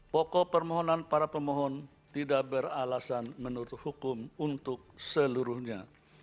pokok permohonan para pemohon tidak beralasan menurut hukum untuk seluruhnya